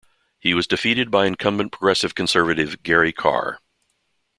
He was defeated by incumbent Progressive Conservative Gary Carr.